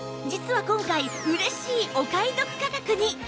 実は今回嬉しいお買い得価格に！